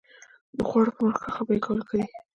د خوړو پر مهال خبرې کول ښه دي؟